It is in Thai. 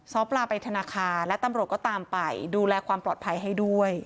ซ้อปลาไปธนาคารและตำรวจก็ตามไปดูแลความปลอดภัยให้ด้วย